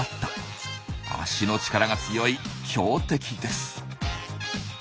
脚の力が強い強敵です。